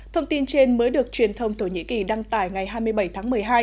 thông tin trên mới được truyền thông thổ nhĩ kỳ đăng tải ngày hai mươi bảy tháng một mươi hai